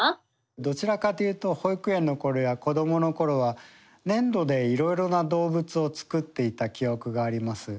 どちらかというと保育園の頃や子どもの頃は粘土でいろいろな動物を作っていた記憶があります。